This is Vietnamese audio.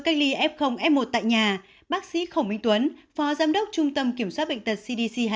cách ly f f một tại nhà bác sĩ khổng minh tuấn phó giám đốc trung tâm kiểm soát bệnh tật cdc hai